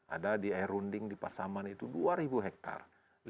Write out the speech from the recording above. ada di air runding di pasaman itu dua hektar